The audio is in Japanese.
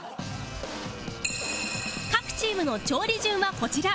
各チームの調理順はこちら